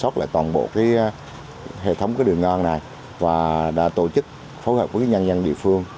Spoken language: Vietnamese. hoặc là toàn bộ hệ thống đường ngang này và đã tổ chức phối hợp với nhân dân địa phương